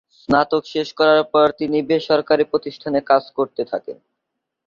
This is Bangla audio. স্নাতক শেষ করার পর তিনি বেসরকারি প্রতিষ্ঠানে কাজ করতে থাকেন।